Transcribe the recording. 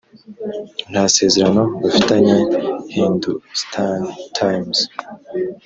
nta sezerano bafitanye hindustan times